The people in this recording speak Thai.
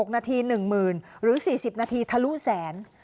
๖นาที๑๐๐๐หรือ๔๐นาทีทะลุแสน